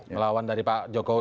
melawan dari pak jokowi